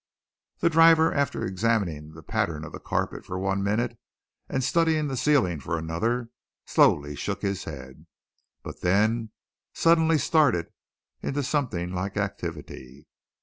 The driver, after examining the pattern of the carpet for one minute and studying the ceiling for another, slowly shook his head. But he then suddenly started into something like activity.